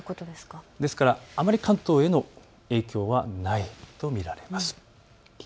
ですからあまり関東への影響はないと見られます。